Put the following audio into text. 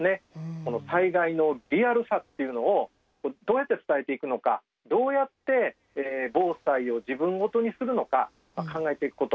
この災害のリアルさっていうのをどうやって伝えていくのかどうやって防災を自分事にするのか考えていくこと